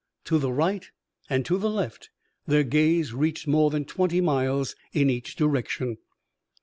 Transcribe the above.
To the right and to the left their gaze reached more than twenty miles in each direction.